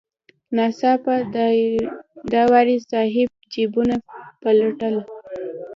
ناڅاپه داوري صاحب جیبونه پلټل.